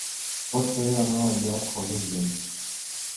Pot ser o no el lloc on un neix.